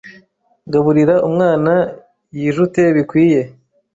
Gaburira umwana yijute bikwiye